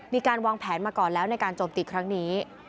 มีการวางแผนมาก่อนแล้วในการโจมตีครั้งนี้